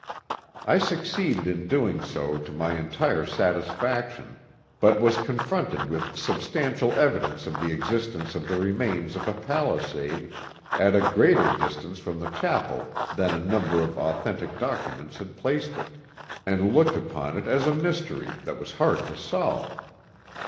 I succeeded in doing so to my entire satisfaction, but was confronted with substantial evidence of the existence of the remains of a palisade at a greater distance from the chapel than a number of authentic documents had placed it, and looked upon it as a mystery that was hard to solve.